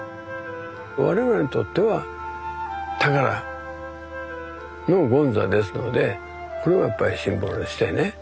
我々にとっては宝の権座ですのでこれはやっぱりシンボルとしてね